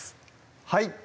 はい